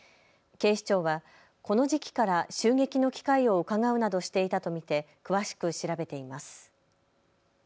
警視庁はこの時期から襲撃の機会をうかがうなどしていたと見て詳しく調べています。